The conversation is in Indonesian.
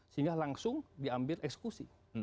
sehingga langsung diambil eksekusi